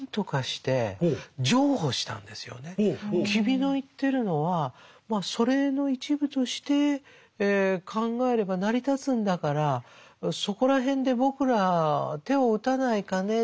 君の言ってるのはまあ祖霊の一部として考えれば成り立つんだからそこら辺で僕ら手を打たないかね。